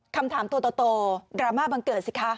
คำถามตัวโตดราม่าบังเกิดสิคะ